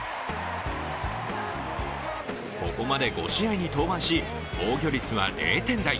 ここまで５試合に登板し、防御率は０点台。